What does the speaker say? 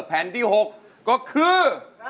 แผ่นที่๖ก็คือ